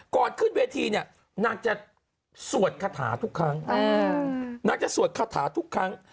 ก่อนขึ้นเวทีเนี่ยนางจะสวดคาถาทุกครั้งนางจะสวดคาถาทุกครั้ง